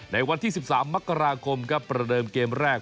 ในวันที่๑๓มกราคมครับประเดิมเกมแรก